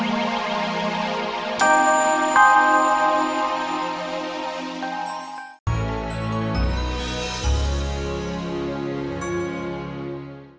tidak bisa di precip dragoso